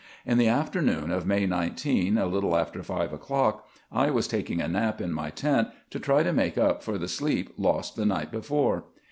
In the afternoon of May 19, a little after five o'clock, I was taking a nap in my tent, to try to make up for the sleep lost the night before.